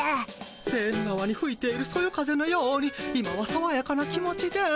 セーヌ川にふいているそよ風のように今はさわやかな気持ちです。